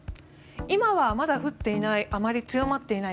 今はまだ降っていない